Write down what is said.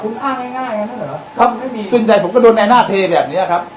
คุณอ้างง่ายง่ายนะเหรอครับไม่มีจึงใดผมก็โดนแนน่าเทแบบเนี้ยครับ